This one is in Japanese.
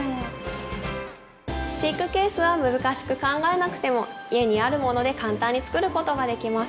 飼育ケースは難しく考えなくても家にあるもので簡単に作る事ができます。